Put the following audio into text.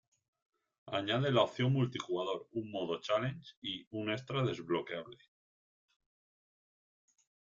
Añade la opción multijugador, un modo "Challenge" y un extra desbloqueable.